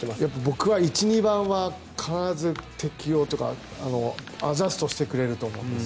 僕は１・２番は必ず適応というかアジャストしてくれると思うんです。